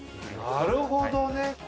なるほどね！